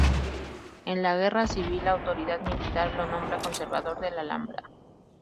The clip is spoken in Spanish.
En la guerra civil la autoridad militar lo nombra Conservador de la Alhambra.